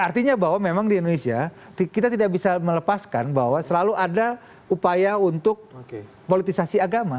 artinya bahwa memang di indonesia kita tidak bisa melepaskan bahwa selalu ada upaya untuk politisasi agama